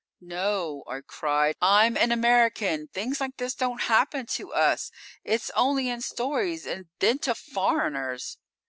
"_ _"No!" I cried. "I'm an American! Things like this don't happen to us! It's only in stories, and then to foreigners!"